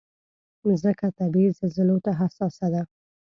مځکه طبعي زلزلو ته حساسه ده.